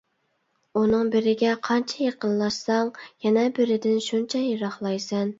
ئۇنىڭ بىرىگە قانچە يېقىنلاشساڭ، يەنە بىرىدىن شۇنچە يىراقلايسەن.